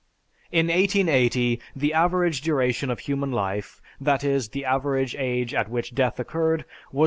In 1880, the average duration of human life, that is, the average age at which death occurred, was 41.